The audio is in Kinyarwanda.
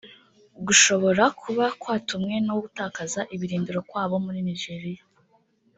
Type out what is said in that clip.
gushobora kuba kwatumwe no gutakaza ibirindiro kwabo muri Nigeria